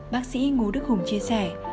bác sĩ ngô đức hùng chia sẻ